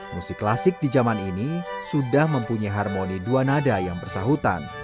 musik klasik di zaman ini sudah mempunyai harmoni dua nada yang bersahutan